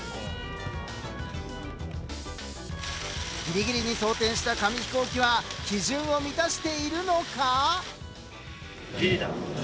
ギリギリに装填した紙飛行機は基準を満たしているのか？